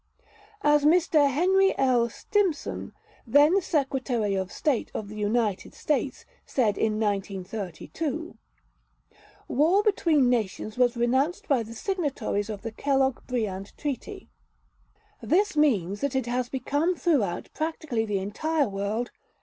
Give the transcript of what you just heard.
As Mr. Henry L. Stimson, then Secretary of State of the United States, said in 1932: "War between nations was renounced by the signatories of the Kellogg Briand Treaty. This means that it has become throughout practically the entire world